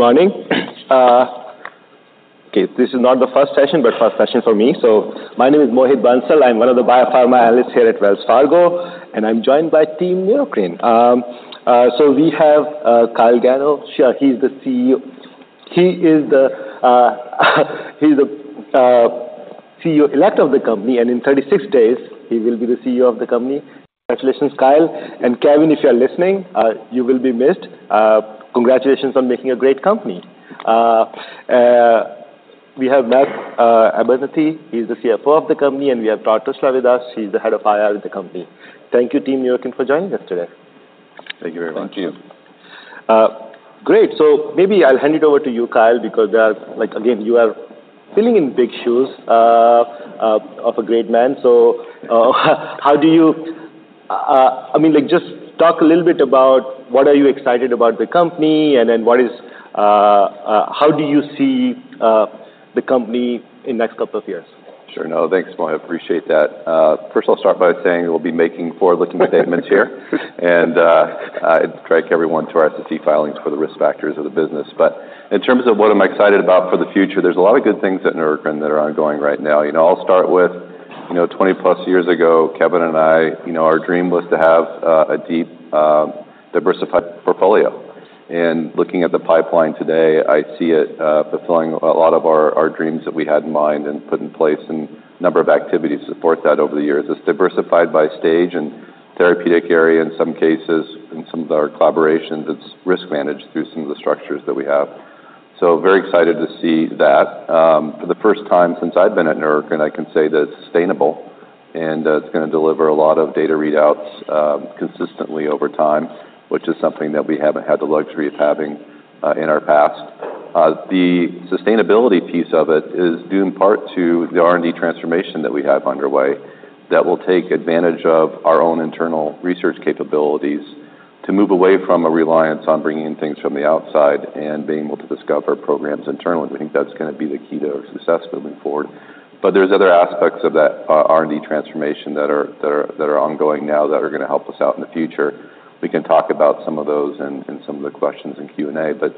Good morning. Okay, this is not the first session, but first session for me. So my name is Mohit Bansal. I'm one of the biopharma analysts here at Wells Fargo, and I'm joined by Team Neurocrine. So we have Kyle Gano. He's the CEO-elect of the company, and in thirty-six days, he will be the CEO of the company. Congratulations, Kyle. And Kevin, if you are listening, you will be missed. Congratulations on making a great company. We have Matt Abernethy. He's the CFO of the company, and we have Todd Tushla with us. He's the head of IR at the company. Thank you, team Neurocrine, for joining us today. Thank you very much. Thank you. Great. So maybe I'll hand it over to you, Kyle, because, like, again, you are filling in big shoes of a great man. So, how do you... I mean, like, just talk a little bit about what are you excited about the company, and then what is, how do you see the company in next couple of years? Sure. No, thanks, Mohit. I appreciate that. First of all, I'll start by saying we'll be making forward-looking statements here, and I'd direct everyone to our SEC filings for the risk factors of the business, but in terms of what I'm excited about for the future, there's a lot of good things at Neurocrine that are ongoing right now. You know, I'll start with, you know, twenty-plus years ago, Kevin and I, you know, our dream was to have a deep, diversified portfolio, and looking at the pipeline today, I see it fulfilling a lot of our dreams that we had in mind and put in place and number of activities to support that over the years. It's diversified by stage and therapeutic area, in some cases, in some of our collaborations, it's risk managed through some of the structures that we have. So very excited to see that. For the first time since I've been at Neurocrine, I can say that it's sustainable, and it's gonna deliver a lot of data readouts, consistently over time, which is something that we haven't had the luxury of having, in our past. The sustainability piece of it is due in part to the R&D transformation that we have underway, that will take advantage of our own internal research capabilities to move away from a reliance on bringing in things from the outside and being able to discover programs internally. We think that's gonna be the key to our success moving forward. But there's other aspects of that, R&D transformation that are ongoing now, that are gonna help us out in the future. We can talk about some of those in some of the questions in Q&A. But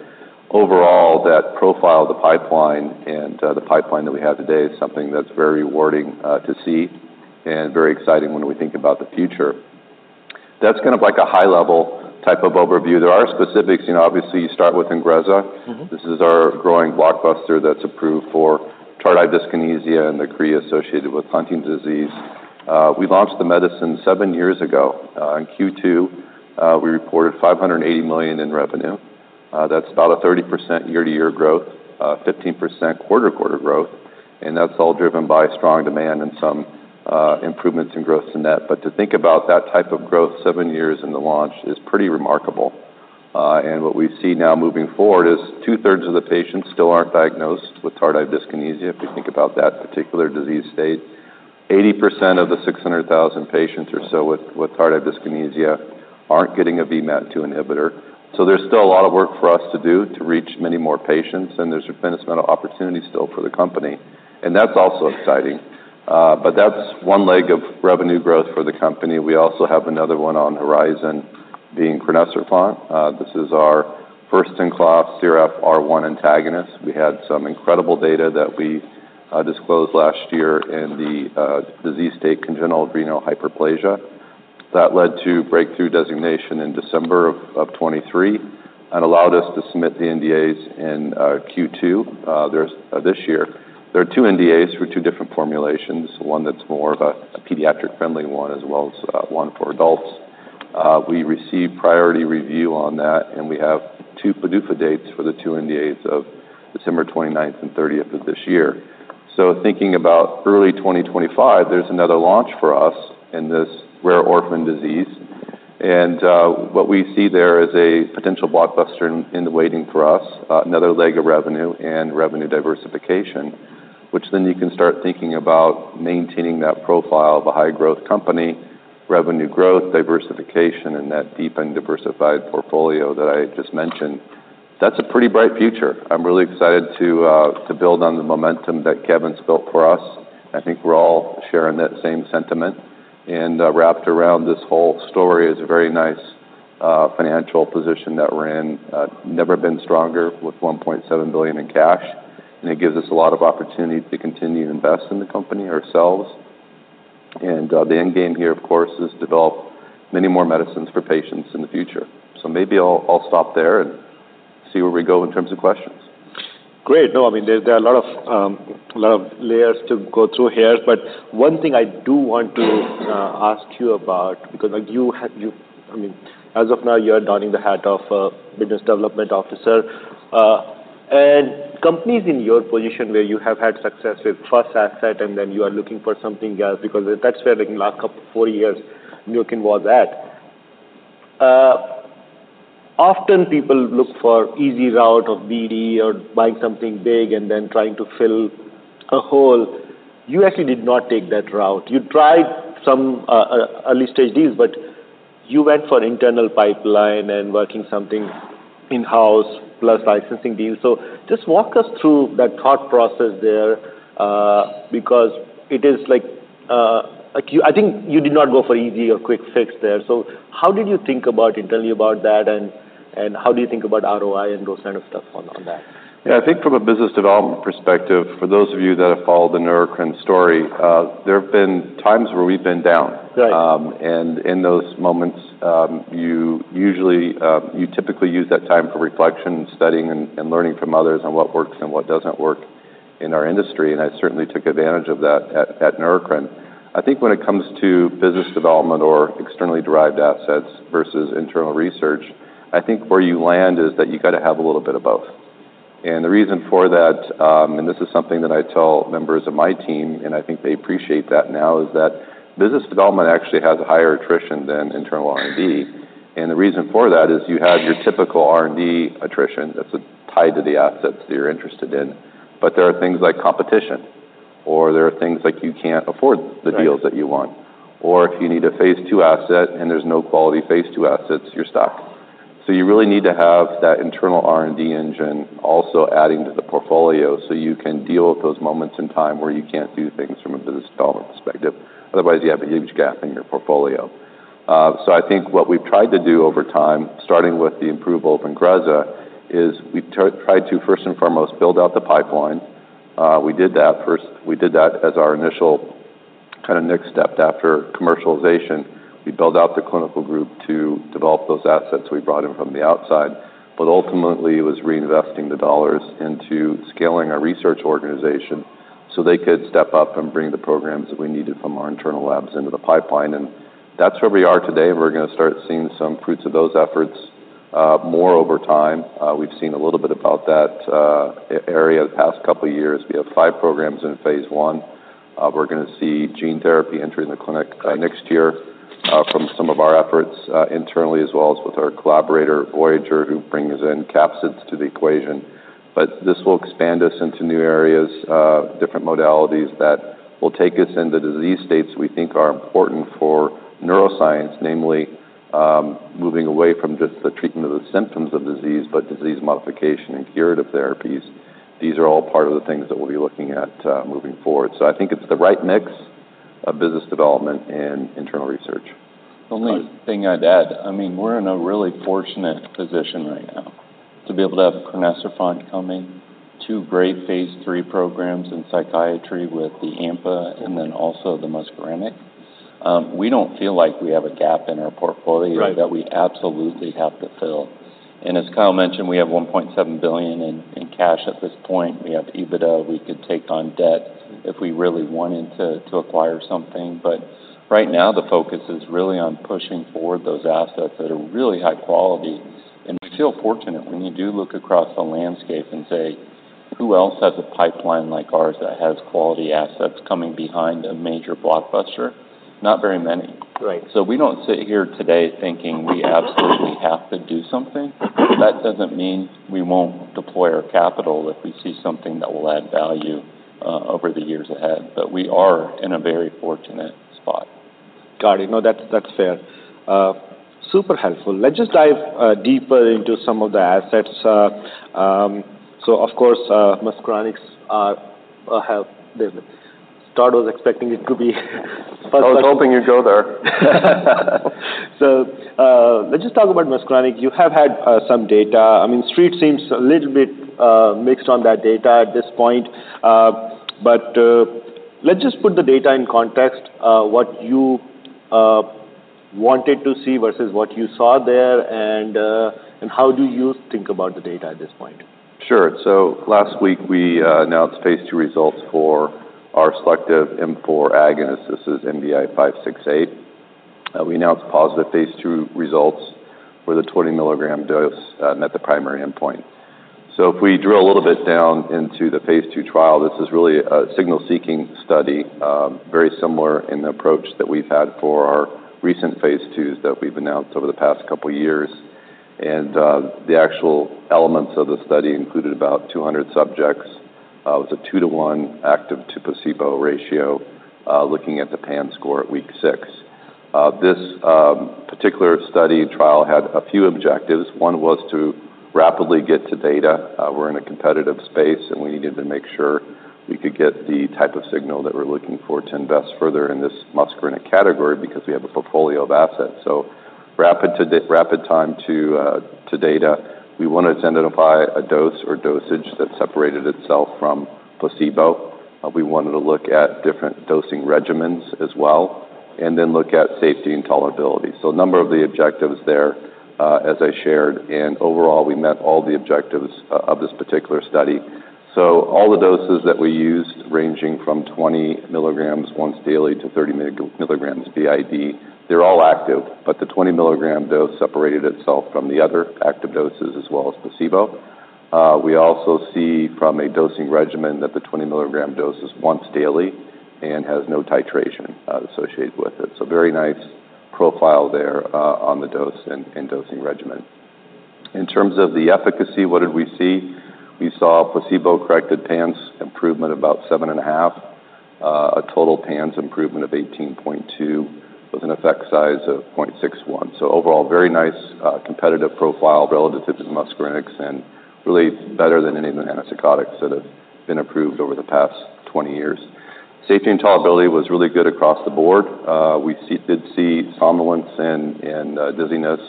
overall, that profile, the pipeline and the pipeline that we have today is something that's very rewarding to see and very exciting when we think about the future. That's kind of like a high-level type of overview. There are specifics, you know, obviously, you start with INGREZZA. Mm-hmm. This is our growing blockbuster that's approved for tardive dyskinesia and the chorea associated with Huntington's disease. We launched the medicine seven years ago. In Q2, we reported $580 million in revenue. That's about a 30% year-to-year growth, 15% quarter-to-quarter growth, and that's all driven by strong demand and some improvements in gross-to-net. But to think about that type of growth seven years into the launch is pretty remarkable. And what we see now moving forward is two-thirds of the patients still aren't diagnosed with tardive dyskinesia, if you think about that particular disease state. Eighty percent of the 600,000 patients or so with tardive dyskinesia aren't getting a VMAT2 inhibitor. So there's still a lot of work for us to do to reach many more patients, and there's a fundamental opportunity still for the company, and that's also exciting. But that's one leg of revenue growth for the company. We also have another one on horizon, being crinecerfont. This is our first-in-class CRF1 antagonist. We had some incredible data that we disclosed last year in the disease state, congenital adrenal hyperplasia. That led to breakthrough designation in December of 2023 and allowed us to submit the NDAs in Q2 this year. There are two NDAs for two different formulations, one that's more of a pediatric-friendly one, as well as one for adults. We received priority review on that, and we have two PDUFA dates for the two NDAs of December twenty-ninth and thirtieth of this year. So thinking about early twenty twenty-five, there's another launch for us in this rare orphan disease. And what we see there is a potential blockbuster in the waiting for us, another leg of revenue and revenue diversification, which then you can start thinking about maintaining that profile of a high-growth company, revenue growth, diversification, and that deep and diversified portfolio that I just mentioned. That's a pretty bright future. I'm really excited to build on the momentum that Kevin's built for us. I think we're all sharing that same sentiment. And wrapped around this whole story is a very nice financial position that we're in. Never been stronger with $1.7 billion in cash, and it gives us a lot of opportunity to continue to invest in the company ourselves. The end game here, of course, is develop many more medicines for patients in the future. Maybe I'll stop there and see where we go in terms of questions. Great. No, I mean, there are a lot of layers to go through here, but one thing I do want to ask you about, because, like, you I mean, as of now, you're donning the hat of a business development officer, and companies in your position, where you have had success with first asset, and then you are looking for something else, because that's where, like, in last couple four years, Neurocrine was at. Often people look for easy route of BD or buying something big and then trying to fill a hole. You actually did not take that route. You tried some early-stage deals, but you went for internal pipeline and working something in-house, plus licensing deals. So just walk us through that thought process there, because it is like, like, you—I think you did not go for easy or quick fix there. So how did you think about it? Tell me about that, and... And how do you think about ROI and those kind of stuff on that? Yeah, I think from a business development perspective, for those of you that have followed the Neurocrine story, there have been times where we've been down. Right. And in those moments, you usually, you typically use that time for reflection, studying, and learning from others on what works and what doesn't work in our industry, and I certainly took advantage of that at Neurocrine. I think when it comes to business development or externally derived assets versus internal research, I think where you land is that you gotta have a little bit of both. And the reason for that, and this is something that I tell members of my team, and I think they appreciate that now, is that business development actually has a higher attrition than internal R&D. And the reason for that is you have your typical R&D attrition that's tied to the assets that you're interested in. But there are things like competition, or there are things like you can't afford the deals- Right... that you want, or if you need a phase II asset and there's no quality phase II assets, you're stuck. So you really need to have that internal R&D engine also adding to the portfolio, so you can deal with those moments in time where you can't do things from a business development perspective. Otherwise, you have a huge gap in your portfolio. So I think what we've tried to do over time, starting with the approval of INGREZZA, is we tried to, first and foremost, build out the pipeline. We did that first. We did that as our initial kind of next step after commercialization. We built out the clinical group to develop those assets we brought in from the outside. But ultimately, it was reinvesting the dollars into scaling our research organization, so they could step up and bring the programs that we needed from our internal labs into the pipeline. And that's where we are today. We're gonna start seeing some fruits of those efforts, more over time. We've seen a little bit about that, that area the past couple of years. We have five programs in phase I. We're gonna see gene therapy entering the clinic, next year, from some of our efforts, internally, as well as with our collaborator, Voyager, who brings in capsids to the equation. But this will expand us into new areas, different modalities that will take us into disease states we think are important for neuroscience, namely, moving away from just the treatment of the symptoms of disease, but disease modification and curative therapies. These are all part of the things that we'll be looking at, moving forward. So I think it's the right mix of business development and internal research. The only thing I'd add, I mean, we're in a really fortunate position right now to be able to have crinecerfont coming, two great phase III programs in psychiatry with the AMPA and then also the muscarinic. We don't feel like we have a gap in our portfolio. Right... that we absolutely have to fill. As Kyle mentioned, we have $1.7 billion in cash at this point. We have EBITDA. We could take on debt if we really wanted to, to acquire something. But right now, the focus is really on pushing forward those assets that are really high quality. We feel fortunate when you do look across the landscape and say: Who else has a pipeline like ours that has quality assets coming behind a major blockbuster? Not very many. Right. So we don't sit here today thinking we absolutely have to do something. That doesn't mean we won't deploy our capital if we see something that will add value over the years ahead, but we are in a very fortunate spot. Got it. No, that's, that's fair. Super helpful. Let's just dive deeper into some of the assets. So of course, muscarinics are have... Todd was expecting it to be I was hoping you'd go there. Let's just talk about muscarinic. You have had some data. I mean, Street seems a little bit mixed on that data at this point. Let's just put the data in context, what you wanted to see versus what you saw there, and how do you think about the data at this point? Sure. So last week, we announced phase II results for our selective M4 agonist. This is NBI-568. We announced positive phase II results with a 20 milligram dose, and at the primary endpoint. So if we drill a little bit down into the phase II trial, this is really a signal-seeking study, very similar in the approach that we've had for our recent phase IIs that we've announced over the past couple of years. And the actual elements of the study included about 200 subjects. It was a 2-to-1 active to placebo ratio, looking at the PANSS score at week 6. This particular study trial had a few objectives. One was to rapidly get to data. We're in a competitive space, and we needed to make sure we could get the type of signal that we're looking for to invest further in this muscarinic category because we have a portfolio of assets. So rapid time to data. We wanted to identify a dose or dosage that separated itself from placebo. We wanted to look at different dosing regimens as well, and then look at safety and tolerability. So a number of the objectives there, as I shared, and overall, we met all the objectives of this particular study. So all the doses that we used, ranging from 20 mg once daily to 30 mg BID, they're all active, but the 20 milligram dose separated itself from the other active doses as well as placebo. We also see from a dosing regimen that the 20 mg dose is once daily and has no titration associated with it. So very nice profile there on the dose and dosing regimen. In terms of the efficacy, what did we see? We saw placebo-corrected PANSS improvement, about 7.5. A total PANSS improvement of 18.2, with an effect size of 0.61. So overall, very nice competitive profile relative to the muscarinics and really better than any of the antipsychotics that have been approved over the past 20 years. Safety and tolerability was really good across the board. We did see somnolence and dizziness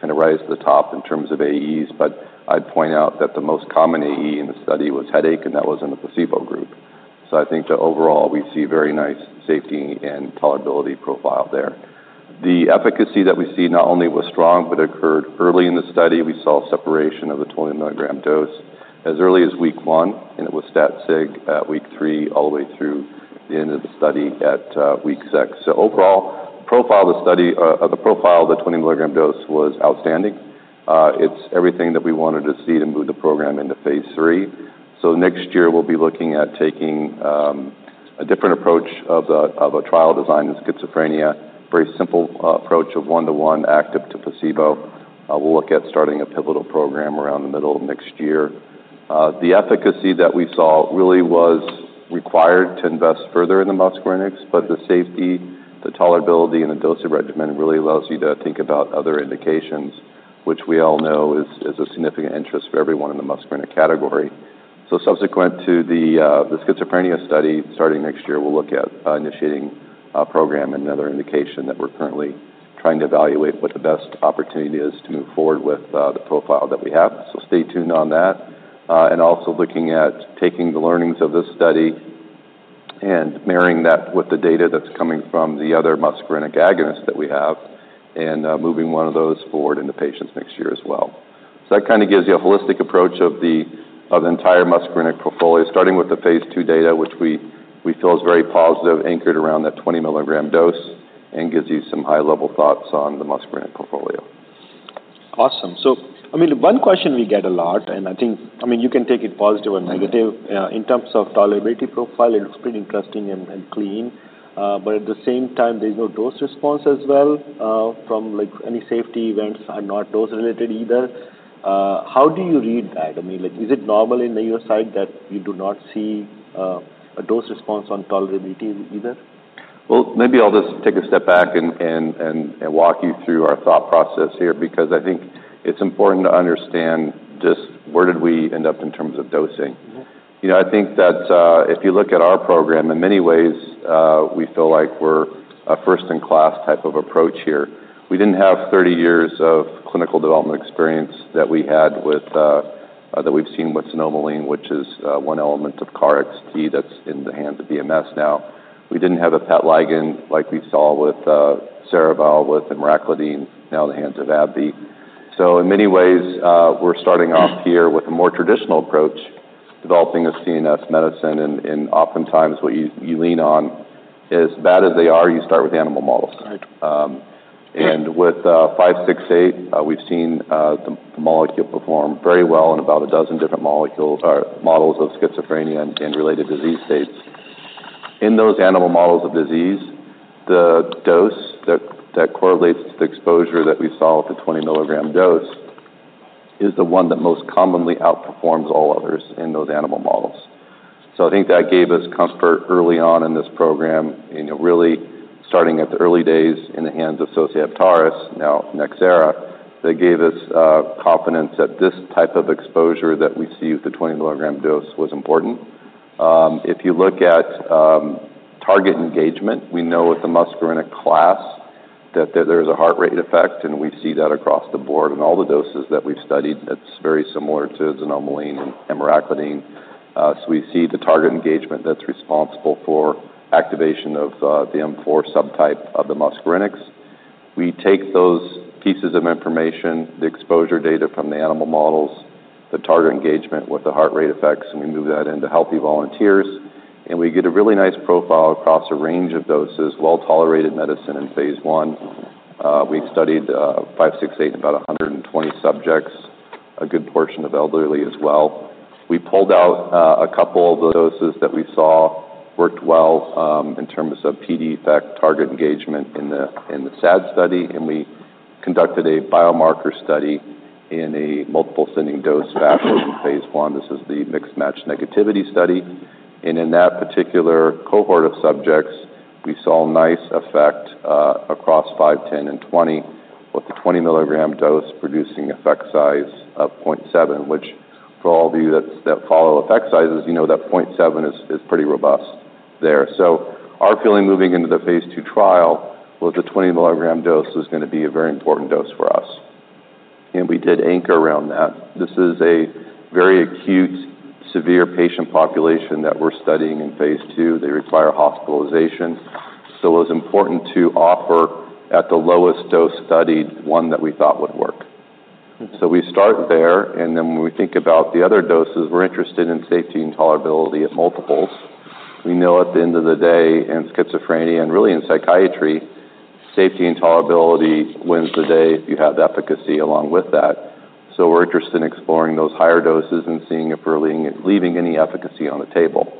kind of rise to the top in terms of AEs, but I'd point out that the most common AE in the study was headache, and that was in the placebo group. So I think that overall, we see very nice safety and tolerability profile there. The efficacy that we see not only was strong, but occurred early in the study. We saw separation of the 20 mg dose as early as week one, and it was stat sig at week three, all the way through the end of the study at week six. So overall, the profile of the 20 mg dose was outstanding. It's everything that we wanted to see to move the program into phase III. So next year we'll be looking at taking a different approach of a trial design in schizophrenia. Very simple approach of one-to-one active to placebo. We'll look at starting a pivotal program around the middle of next year. The efficacy that we saw really was required to invest further in the muscarinic, but the safety, the tolerability, and the dosing regimen really allows you to think about other indications, which we all know is a significant interest for everyone in the muscarinic category. So subsequent to the schizophrenia study, starting next year, we'll look at initiating a program, another indication that we're currently trying to evaluate what the best opportunity is to move forward with the profile that we have. So stay tuned on that. and also looking at taking the learnings of this study and marrying that with the data that's coming from the other muscarinic agonist that we have, and moving one of those forward into patients next year as well. So that kind of gives you a holistic approach of the entire muscarinic portfolio, starting with the phase II data, which we feel is very positive, anchored around that 20 mg dose and gives you some high-level thoughts on the muscarinic portfolio. Awesome. So, I mean, one question we get a lot, and I think... I mean, you can take it positive or negative. Mm-hmm. In terms of tolerability profile, it looks pretty interesting and clean, but at the same time, there's no dose response as well, from, like, any safety events are not dose-related either. How do you read that? I mean, like, is it normal on your side that you do not see a dose response on tolerability either? Maybe I'll just take a step back and walk you through our thought process here, because I think it's important to understand just where did we end up in terms of dosing. Mm-hmm. You know, I think that if you look at our program, in many ways we feel like we're a first-in-class type of approach here. We didn't have 30 years of clinical development experience that we've seen with xanomeline, which is one element of KarXT that's in the hands of BMS now. We didn't have a PAM ligand like we saw with Cerevel with emraclidine, now in the hands of AbbVie. So in many ways we're starting off here with a more traditional approach, developing a CNS medicine, and oftentimes what you lean on, as bad as they are, you start with animal models. Right. With five six eight, we've seen the molecule perform very well in about a dozen different molecule or models of schizophrenia and related disease states. In those animal models of disease, the dose that correlates to the exposure that we saw with the 20 mg dose is the one that most commonly outperforms all others in those animal models. So I think that gave us comfort early on in this program, and it really starting at the early days in the hands of Sosei Heptares, now Nxera. They gave us confidence that this type of exposure that we see with the 20 mg dose was important. If you look at target engagement, we know with the muscarinic class that there is a heart rate effect, and we see that across the board. In all the doses that we've studied, it's very similar to xanomeline and emraclidine. So we see the target engagement that's responsible for activation of the M4 subtype of the muscarinics. We take those pieces of information, the exposure data from the animal models, the target engagement with the heart rate effects, and we move that into healthy volunteers, and we get a really nice profile across a range of doses, well-tolerated medicine in phase I. We've studied 568 in about a hundred and twenty subjects, a good portion of elderly as well. We pulled out a couple of the doses that we saw worked well in terms of PD effect, target engagement in the SAD study, and we conducted a biomarker study in a multiple ascending dose fashion in phase I. This is the mismatch negativity study. And in that particular cohort of subjects, we saw a nice effect across five, 10 and 20, with the 20 mg dose producing effect size of 0.7, which for all of you that follow effect sizes, you know that 0.7 is pretty robust there. So our feeling moving into the phase II trial was the 20 mg dose is gonna be a very important dose for us, and we did anchor around that. This is a very acute, severe patient population that we're studying in phase II. They require hospitalization, so it was important to offer, at the lowest dose studied, one that we thought would work. Mm-hmm. So we start there, and then when we think about the other doses, we're interested in safety and tolerability of multiples. We know at the end of the day, in schizophrenia and really in psychiatry, safety and tolerability wins the day if you have efficacy along with that. So we're interested in exploring those higher doses and seeing if we're leaving any efficacy on the table.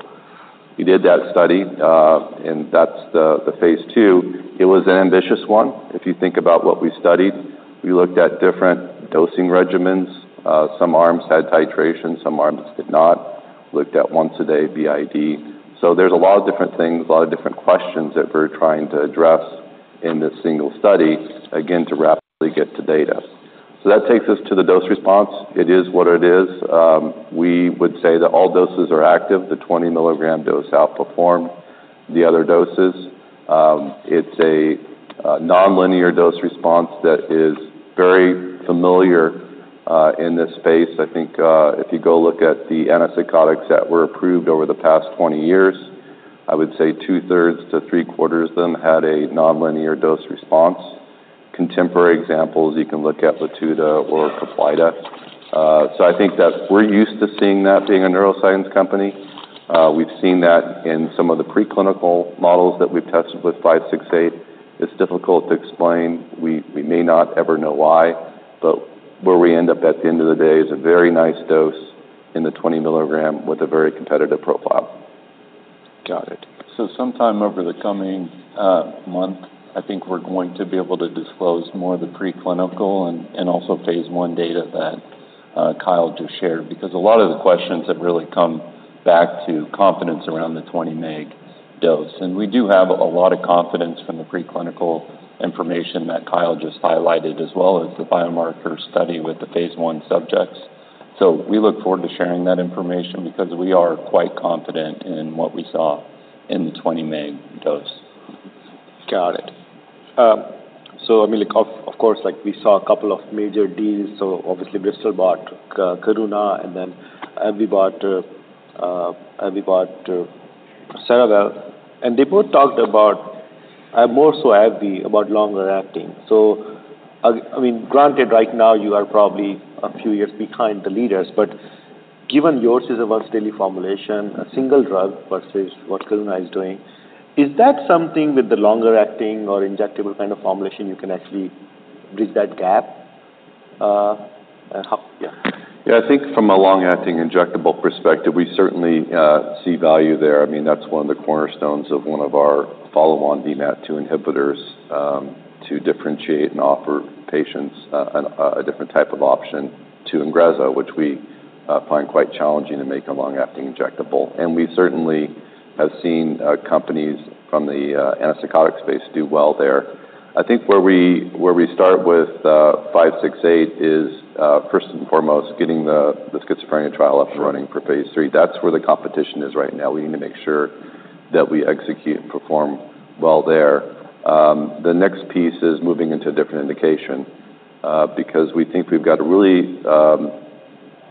We did that study, and that's the phase II. It was an ambitious one. If you think about what we studied, we looked at different dosing regimens. Some arms had titration, some arms did not. Looked at once a day BID. So there's a lot of different things, a lot of different questions that we're trying to address in this single study, again, to rapidly get to data.... So that takes us to the dose response. It is what it is. We would say that all doses are active. The 20 mg dose outperformed the other doses. It's a nonlinear dose response that is very familiar in this space. I think if you go look at the antipsychotics that were approved over the past 20 years, I would say two-thirds to three-quarters of them had a nonlinear dose response. Contemporary examples, you can look at Latuda or Caplyta. So I think that we're used to seeing that being a neuroscience company. We've seen that in some of the preclinical models that we've tested with NBI-568. It's difficult to explain. We may not ever know why, but where we end up at the end of the day is a very nice dose in the 20 mg with a very competitive profile. Got it. Sometime over the coming month, I think we're going to be able to disclose more of the preclinical and also phase I data that Kyle just shared. Because a lot of the questions have really come back to confidence around the 20 mg dose. We do have a lot of confidence from the preclinical information that Kyle just highlighted, as well as the biomarker study with the phase I subjects. We look forward to sharing that information because we are quite confident in what we saw in the 20 mg dose. Got it. So, I mean, like, of course, like, we saw a couple of major deals. So obviously, Bristol bought Karuna, and then AbbVie bought Cerevel. And they both talked about, more so AbbVie, about longer acting. So, I mean, granted, right now you are probably a few years behind the leaders, but given yours is a once-daily formulation, a single drug versus what Karuna is doing, is that something with the longer acting or injectable kind of formulation, you can actually bridge that gap? How-- Yeah. Yeah, I think from a long-acting injectable perspective, we certainly see value there. I mean, that's one of the cornerstones of one of our follow-on VMAT2 inhibitors to differentiate and offer patients a different type of option to INGREZZA, which we find quite challenging to make a long-acting injectable. And we certainly have seen companies from the antipsychotic space do well there. I think where we start with NBI-568 is first and foremost, getting the schizophrenia trial up and running for phase III. That's where the competition is right now. We need to make sure that we execute and perform well there. The next piece is moving into a different indication, because we think we've got a really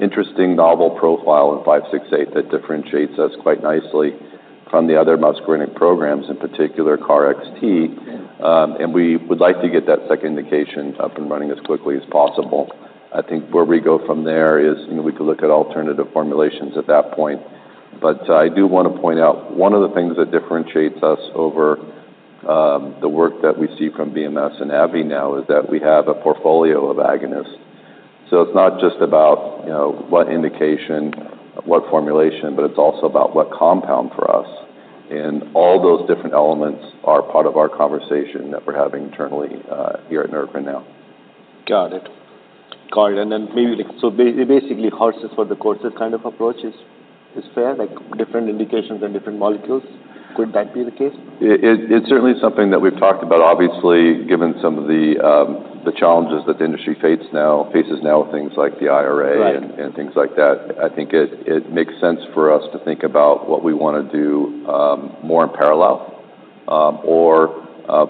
interesting novel profile in NBI-568 that differentiates us quite nicely from the other muscarinic programs, in particular, KarXT. And we would like to get that second indication up and running as quickly as possible. I think where we go from there is, you know, we could look at alternative formulations at that point. But I do want to point out, one of the things that differentiates us over the work that we see from BMS and AbbVie now is that we have a portfolio of agonists. So it's not just about, you know, what indication, what formulation, but it's also about what compound for us. And all those different elements are part of our conversation that we're having internally here at Neurocrine now. Got it. Got it, and then maybe, like... So basically, horses for the courses kind of approach is, is fair? Like, different indications and different molecules, could that be the case? It's certainly something that we've talked about, obviously, given some of the challenges that the industry faces now with things like the IRA- Right... and things like that. I think it makes sense for us to think about what we wanna do, more in parallel, or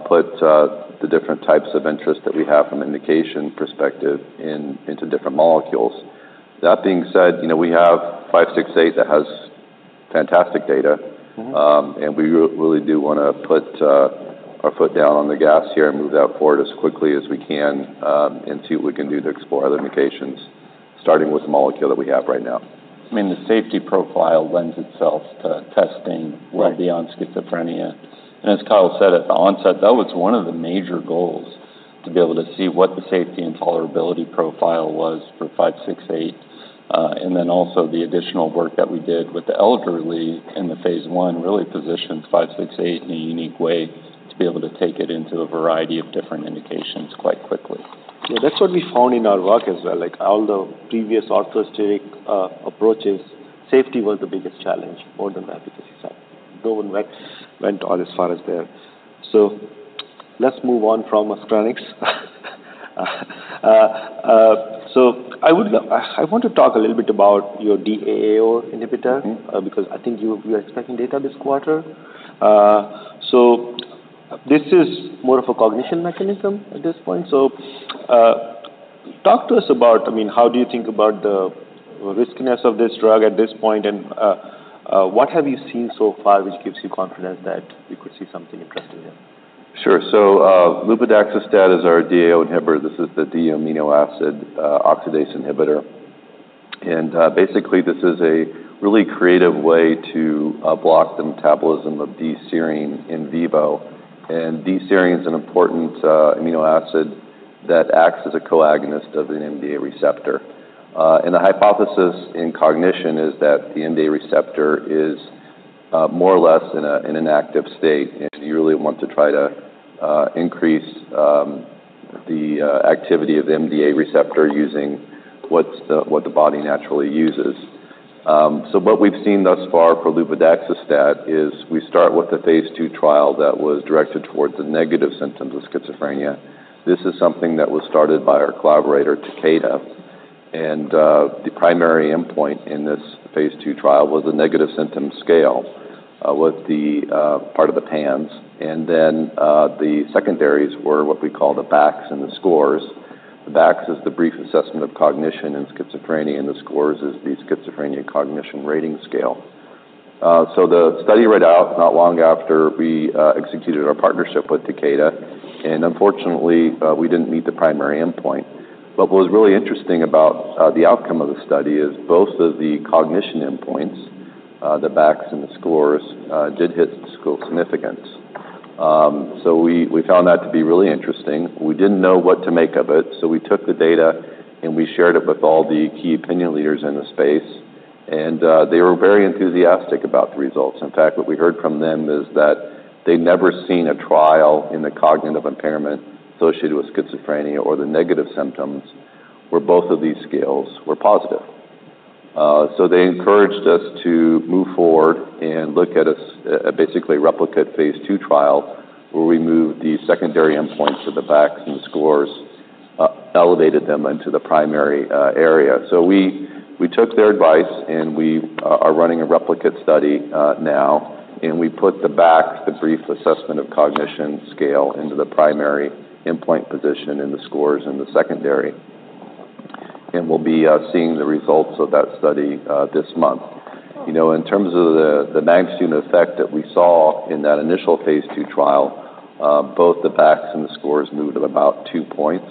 put the different types of interest that we have from an indication perspective in, into different molecules. That being said, you know, we have five six eight that has fantastic data. Mm-hmm. And we really do wanna put our foot down on the gas here and move that forward as quickly as we can, and see what we can do to explore other indications, starting with the molecule that we have right now. I mean, the safety profile lends itself to testing- Right Well beyond schizophrenia. And as Kyle said at the onset, that was one of the major goals, to be able to see what the safety and tolerability profile was for NBI-568. And then also the additional work that we did with the elderly in the phase I really positions NBI-568 in a unique way to be able to take it into a variety of different indications quite quickly. Yeah, that's what we found in our work as well. Like, all the previous orthosteric approaches, safety was the biggest challenge more than that, because you said, no one really went as far as there. So let's move on from muscarinics. So I want to talk a little bit about your DAAO inhibitor- Mm-hmm... because I think you, we are expecting data this quarter. So this is more of a cognition mechanism at this point. So, talk to us about, I mean, how do you think about the riskiness of this drug at this point? And what have you seen so far, which gives you confidence that you could see something interesting here? Sure. So, luvadaxistat is our DAAO inhibitor. This is the D-amino acid oxidase inhibitor. And, basically, this is a really creative way to block the metabolism of D-serine in vivo. And D-serine is an important amino acid that acts as a co-agonist of an NMDA receptor. And the hypothesis in cognition is that the NMDA receptor is more or less in an active state, and you really want to try to increase the activity of the NMDA receptor using what the body naturally uses. So what we've seen thus far for luvadaxistat is we start with the phase two trial that was directed towards the negative symptoms of schizophrenia. This is something that was started by our collaborator, Takeda. And, the primary endpoint in this phase two trial was a negative symptom scale, with the part of the PANSS. And then, the secondaries were what we call the BACS and the SCoRS. The BACS is the Brief Assessment of Cognition in Schizophrenia, and the SCoRS is the Schizophrenia Cognition Rating Scale. So the study read out not long after we executed our partnership with Takeda, and unfortunately, we didn't meet the primary endpoint. But what was really interesting about the outcome of the study is both of the cognition endpoints, the BACS and the SCoRS, did hit statistical significance. So we found that to be really interesting. We didn't know what to make of it, so we took the data and we shared it with all the key opinion leaders in the space, and they were very enthusiastic about the results. In fact, what we heard from them is that they'd never seen a trial in the cognitive impairment associated with schizophrenia or the negative symptoms, where both of these scales were positive. So they encouraged us to move forward and look at a basically replicate phase two trial, where we moved the secondary endpoints to the BACS and the SCoRS, elevated them into the primary area. So we took their advice, and we are running a replicate study now, and we put the BACS, the Brief Assessment of Cognition scale, into the primary endpoint position and the SCoRS in the secondary. We'll be seeing the results of that study this month. You know, in terms of the magnitude effect that we saw in that initial phase two trial, both the BACS and the SCoRS moved at about two points.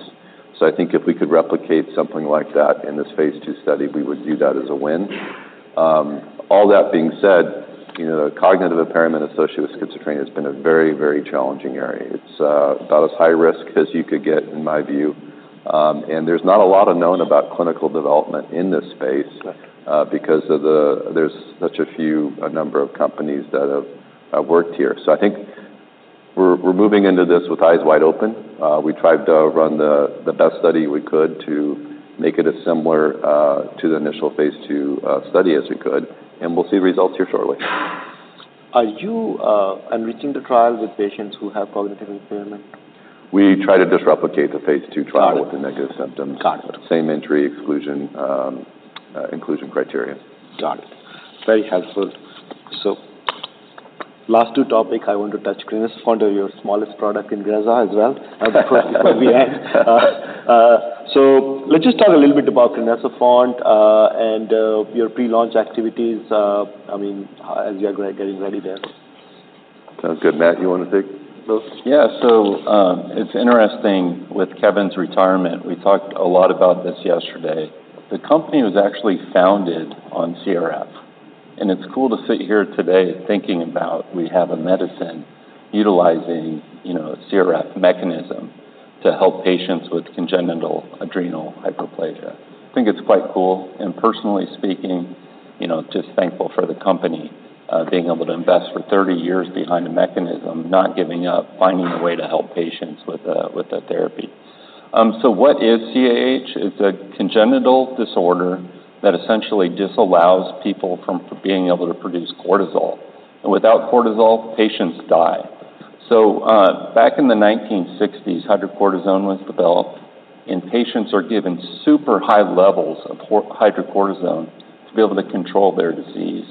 I think if we could replicate something like that in this phase two study, we would view that as a win. All that being said, you know, cognitive impairment associated with schizophrenia has been a very, very challenging area. It's about as high risk as you could get, in my view. And there's not a lot of known about clinical development in this space because there's a number of companies that have worked here. I think we're moving into this with eyes wide open. We tried to run the best study we could to make it as similar to the initial phase two study as we could, and we'll see results here shortly. Are you enriching the trial with patients who have cognitive impairment? We try to just replicate the phase two trial- Got it. with the negative symptoms. Got it. Same entry, exclusion, inclusion criterion. Got it. Very helpful. So last two topics I want to touch, Crinecerfont, your smallest product in INGREZZA as well. So let's just talk a little bit about crinecerfont, and your pre-launch activities. I mean, as you are getting ready there. Sounds good. Matt, you wanna take this? Yeah. So, it's interesting with Kevin's retirement. We talked a lot about this yesterday. The company was actually founded on CRF, and it's cool to sit here today thinking about we have a medicine utilizing, you know, a CRF mechanism to help patients with congenital adrenal hyperplasia. I think it's quite cool, and personally speaking, you know, just thankful for the company, being able to invest for thirty years behind a mechanism, not giving up, finding a way to help patients with a, with a therapy. So what is CAH? It's a congenital disorder that essentially disallows people from being able to produce cortisol. And without cortisol, patients die. So, back in the nineteen sixties, hydrocortisone was developed, and patients are given super high levels of hydrocortisone to be able to control their disease.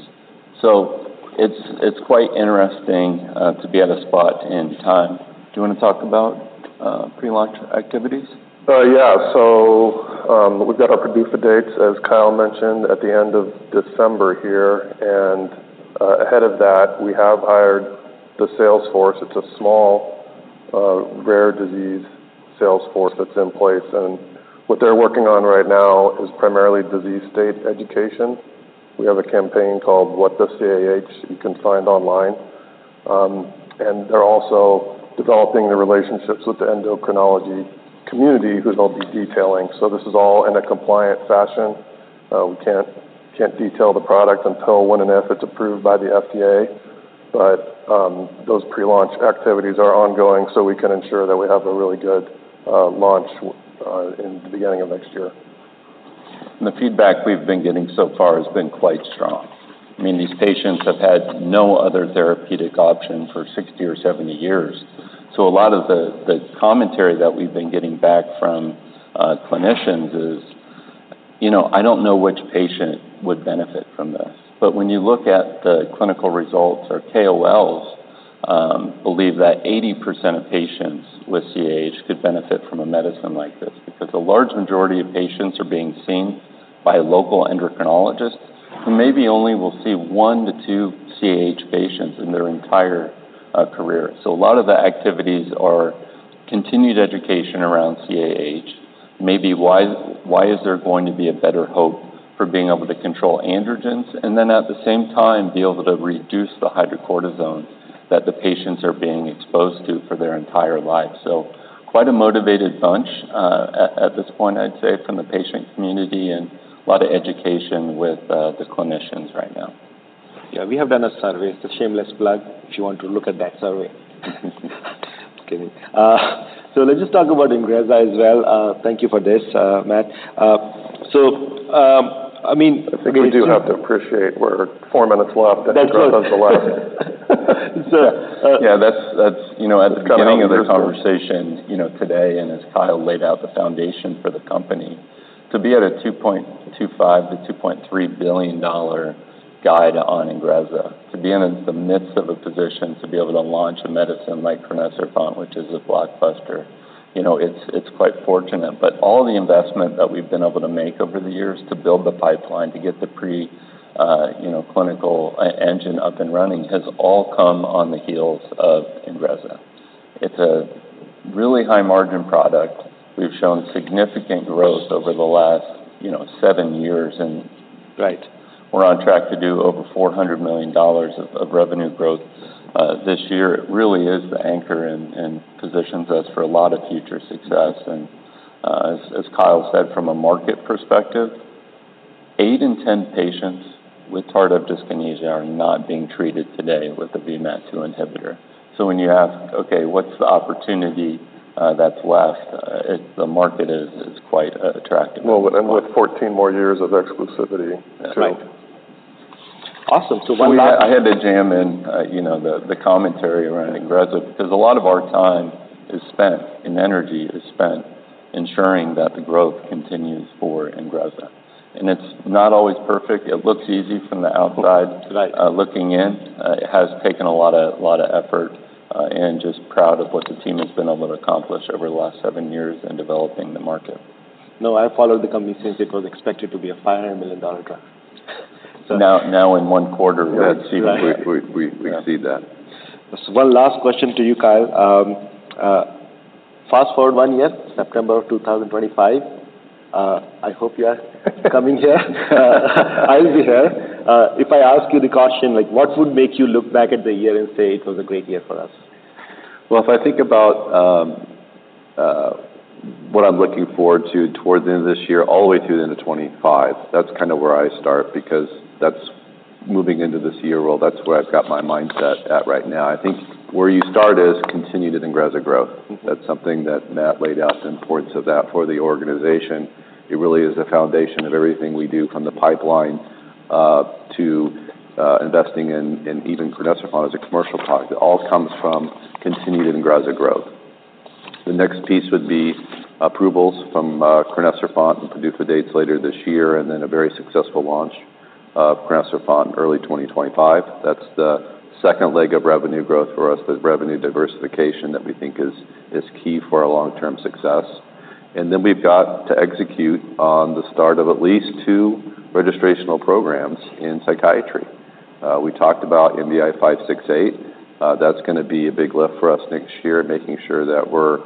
So it's quite interesting to be at a spot in time. Do you wanna talk about pre-launch activities? Yeah. So, we've got our approved dates, as Kyle mentioned, at the end of December here. And, ahead of that, we have hired the sales force. It's a small, rare disease sales force that's in place, and what they're working on right now is primarily disease state education. We have a campaign called What the CAH you can find online. And they're also developing the relationships with the endocrinology community, who we'll be detailing. So this is all in a compliant fashion. We can't detail the product until when and if it's approved by the FDA, but, those pre-launch activities are ongoing, so we can ensure that we have a really good launch in the beginning of next year. And the feedback we've been getting so far has been quite strong. I mean, these patients have had no other therapeutic option for sixty or seventy years. So a lot of the commentary that we've been getting back from clinicians is, you know, "I don't know which patient would benefit from this." But when you look at the clinical results, our KOLs believe that 80% of patients with CAH could benefit from a medicine like this. Because a large majority of patients are being seen by a local endocrinologist, who maybe only will see one to two CAH patients in their entire career. So a lot of the activities are continued education around CAH. Maybe. Why is there going to be a better hope for being able to control androgens, and then at the same time, be able to reduce the hydrocortisone that the patients are being exposed to for their entire lives? So quite a motivated bunch at this point, I'd say, from the patient community, and a lot of education with the clinicians.... Yeah, we have done a survey. It's a shameless plug, if you want to look at that survey. Kidding. So let's just talk about INGREZZA as well. Thank you for this, Matt. So, I mean- I think we do have to appreciate we're four minutes left, and INGREZZA is the last. So, uh- Yeah, that's, you know, at the beginning of the conversation, you know, today, and as Kyle laid out the foundation for the company, to be at a $2.25-$2.3 billion dollar guide on INGREZZA, to be in the midst of a position to be able to launch a medicine like crinecerfont, which is a blockbuster, you know, it's quite fortunate. But all the investment that we've been able to make over the years to build the pipeline, to get the pre-clinical engine up and running, has all come on the heels of INGREZZA. It's a really high-margin product. We've shown significant growth over the last, you know, seven years, and- Right We're on track to do over $400 million of revenue growth this year. It really is the anchor and positions us for a lot of future success. And, as Kyle said, from a market perspective, eight in ten patients with tardive dyskinesia are not being treated today with a VMAT2 inhibitor. So when you ask, "Okay, what's the opportunity that's left?" The market is quite attractive. Well, and with 14 more years of exclusivity, too. Right. Awesome, so one last- So I had to jam in, you know, the commentary around INGREZZA, because a lot of our time is spent, and energy is spent ensuring that the growth continues for INGREZZA. And it's not always perfect. It looks easy from the outside- Right... looking in. It has taken a lot of, lot of effort, and just proud of what the team has been able to accomplish over the last seven years in developing the market. No, I followed the company since it was expected to be a $500 million drug. Now in one quarter- Right We see that. So one last question to you, Kyle. Fast-forward one year, September of two thousand and twenty-five. I hope you are coming here. I'll be here. If I ask you the question, like, what would make you look back at the year and say, "It was a great year for us? If I think about what I'm looking forward to towards the end of this year, all the way through the end of 2025, that's kind of where I start, because that's moving into this year, well, that's where I've got my mindset at right now. I think where you start is continued INGREZZA growth. That's something that Matt laid out the importance of that for the organization. It really is the foundation of everything we do, from the pipeline to investing in even crinecerfont as a commercial product. It all comes from continued INGREZZA growth. The next piece would be approvals from crinecerfont and PDUFA dates later this year, and then a very successful launch of crinecerfont in early 2025. That's the second leg of revenue growth for us, the revenue diversification that we think is key for our long-term success. Then we've got to execute on the start of at least two registrational programs in psychiatry. We talked about NBI-568. That's gonna be a big lift for us next year, making sure that we're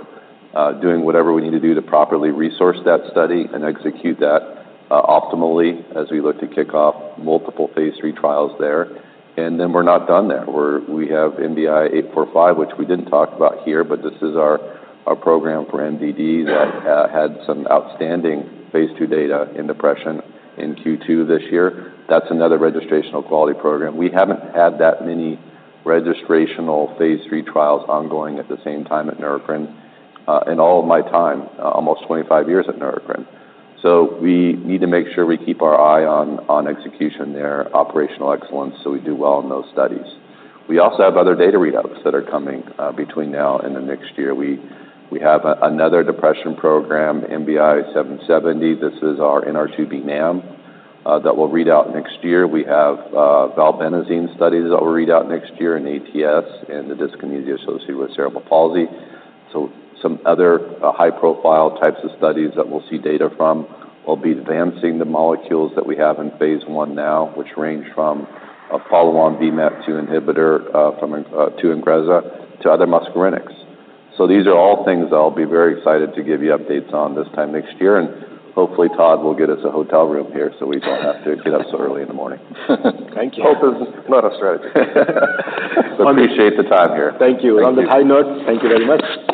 doing whatever we need to do to properly resource that study and execute that optimally as we look to kick off multiple phase III trials there. Then we're not done there. We have NBI-845, which we didn't talk about here, but this is our program for MDD that had some outstanding phase II data in depression in Q2 this year. That's another registrational quality program. We haven't had that many registrational phase III trials ongoing at the same time at Neurocrine in all of my time, almost twenty-five years at Neurocrine. So we need to make sure we keep our eye on execution there, operational excellence, so we do well in those studies. We also have other data readouts that are coming between now and the next year. We have another depression program, NBI-770. This is our NR2B NAM that will read out next year. We have valbenazine studies that will read out next year in ATS, in the dyskinesia associated with cerebral palsy. So some other high-profile types of studies that we'll see data from. We'll be advancing the molecules that we have in phase I now, which range from a follow-on VMAT2 inhibitor to INGREZZA, to other muscarinics. So these are all things I'll be very excited to give you updates on this time next year, and hopefully Todd will get us a hotel room here, so we don't have to get up so early in the morning. Thank you. Hope is not a strategy. Appreciate the time here. Thank you. Thank you. On that high note, thank you very much.